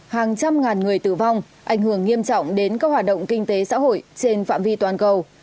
hàng trăm ngàn người tử vong ảnh hưởng nghiêm trọng đến các hoạt động kinh tế xã hội trên phạm vi toàn cầu